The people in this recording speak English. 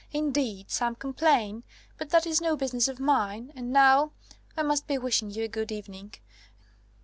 Indeed, some complain but that is no business of mine. And now I must be wishing you a good evening.